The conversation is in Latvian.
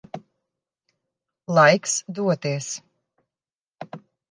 Laiks doties.